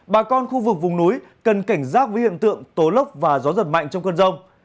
bà con khu vực vùng núi cần cảnh giác với hiện tượng tố lốc và gió giật mạnh trong cơn rông